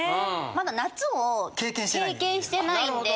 まだ夏を経験してないんで。